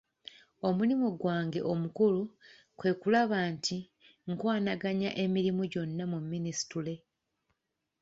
Omulimu gwange omukulu kwe kulaba nti nkwanaganya emirimu gyonna mu minisitule.